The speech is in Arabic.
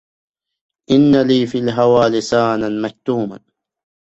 إن لي في الهوى لسانا كتوما